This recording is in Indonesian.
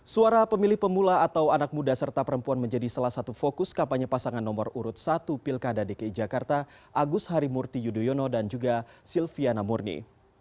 suara pemilih pemula atau anak muda serta perempuan menjadi salah satu fokus kampanye pasangan nomor urut satu pilkada dki jakarta agus harimurti yudhoyono dan juga silviana murni